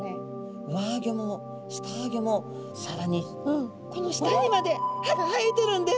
上あギョも下あギョもさらにこの舌にまで歯が生えてるんです。